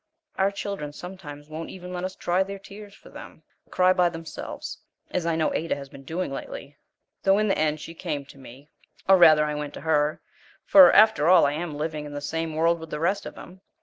Our children sometimes won't even let us dry their tears for them, but cry by themselves, as I know Ada has been doing lately though in the end she came to me, or rather I went to her, for, after all, I am living in the same world with the rest of them.